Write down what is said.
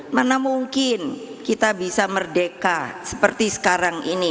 mana mungkin kita bisa merdeka seperti sekarang ini